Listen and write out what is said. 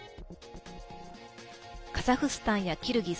カザフスタンやキルギス